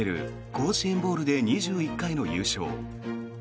甲子園ボウルで２１回の優勝。